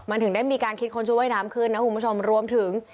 มันถึงได้มีการคิดค้นชุดว่ายน้ำขึ้นนะคุณผู้ชมรวมถึง